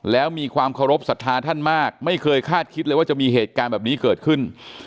แล้วมีความเคารพสัทธาท่านมากไม่เคยคาดคิดเลยว่าจะมีเหตุการณ์แบบนี้เกิดขึ้น